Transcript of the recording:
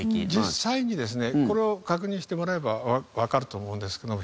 実際にですねこれを確認してもらえばわかると思うんですけども。